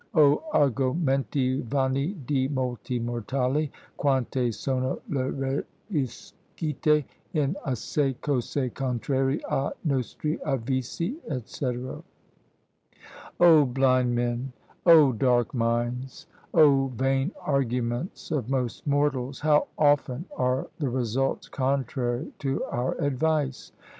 Oh argomenti vani di molti mortali, quante sono le ruiscite in assai cose contrarie a' nostri avvisi!_ &c. "Oh blind men! Oh dark minds! Oh vain arguments of most mortals, how often are the results contrary to our advice!